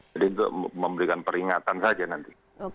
jadi itu memberikan peringatan saja nanti